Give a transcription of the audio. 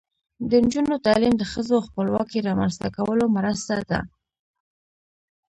د نجونو تعلیم د ښځو خپلواکۍ رامنځته کولو مرسته ده.